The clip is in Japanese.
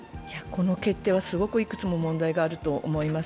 この決定はすごくいくつも問題があると思います。